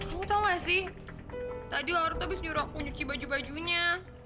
kamu tau gak sih tadi laluerta bisa nyuruh aku nyuci baju bajunya